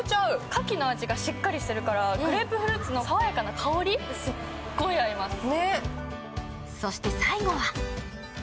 かきの味がしっかりしてるからグレープフルーツの爽やかな香り、すっごい合います。